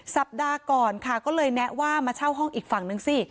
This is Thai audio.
สัปดาห์ก่อนค่ะก็เลยแนะว่ามาเช่าห้องอีกฝั่งนึงสิ